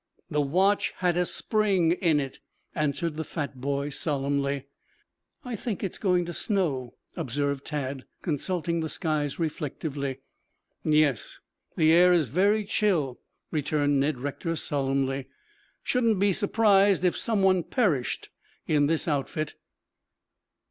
"The watch had a spring in it," answered the fat boy solemnly. "I think it's going to snow," observed Tad consulting the skies reflectively. "Yes, the air is very chill," returned Ned Rector solemnly. "Shouldn't be surprised if some one perished in this outfit."